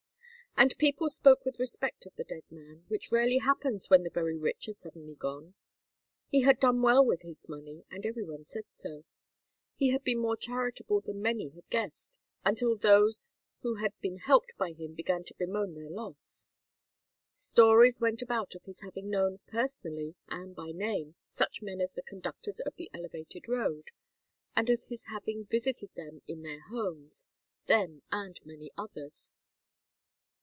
And people spoke with respect of the dead man, which rarely happens when the very rich are suddenly gone. He had done well with his money, and every one said so. He had been more charitable than many had guessed until those who had been helped by him began to bemoan their loss. Stories went about of his having known, personally and by name, such men as the conductors on the Elevated Road, and of his having visited them in their homes them and many others.